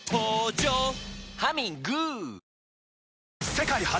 世界初！